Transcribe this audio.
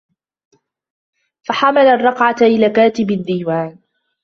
فَحَمَلَ الرُّقْعَةَ إلَى كَاتِبِ الدِّيوَانِ